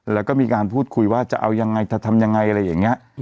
แล้วก็มีการพูดคุยว่าจะเอายังไงจะทำยังไงอะไรอย่างนี้